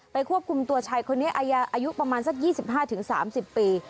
ควบคุมตัวชายคนนี้อายุประมาณสัก๒๕๓๐ปี